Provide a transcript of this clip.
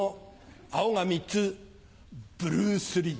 青が３つブルースリー。